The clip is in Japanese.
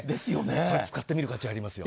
これ、使ってみる価値ありますよ。